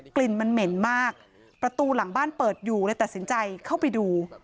กลิ่นมันเหม็นมากประตูหลังบ้านเปิดอยู่เลยตัดสินใจเข้าไปดู